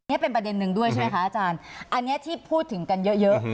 นี่เป็นประเด็นหนึ่งด้วยใช่ไหมคะอาจารย์อันนี้ที่พูดถึงกันเยอะ